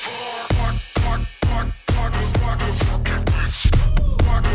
aku mau ke toilet dulu sebentar aja